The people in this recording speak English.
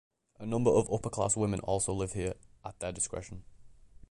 A number of upperclass women also live here, at their discretion.